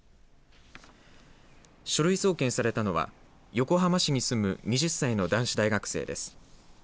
書類送検されたのは横浜市に住む２０歳の男子大学生です。